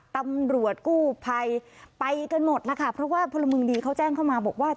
ตำรวจกู้ภัยไปกันหมดแล้วค่ะเพราะว่าพลเมืองดีเขาแจ้งเข้ามาบอกว่า